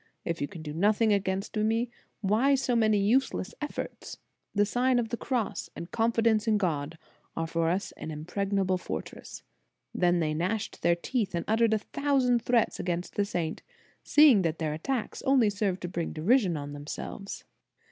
If you can do nothing against me, why so many useless efforts? The Sign of the Cross, and confidence in God 22O The Sign of the Cross are for us an impregnable fortress. Then they gnashed their teeth, and uttered a thou sand threats against the saint, seeing that their attacks only served to bring derision on themselves."